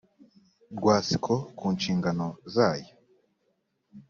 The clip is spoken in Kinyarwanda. rwasco ku nshingano zayo